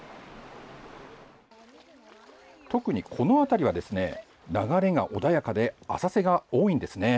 特にこの辺りはですね、流れが穏やかで、浅瀬が多いんですね。